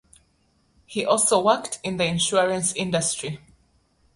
He also worked in the insurance industry.